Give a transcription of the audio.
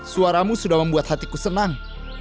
suaramu sudah membuat hatiku senang